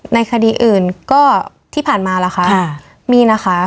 ในคดีอื่นก็ที่ผ่านมาล่ะค่ะมีนะคะ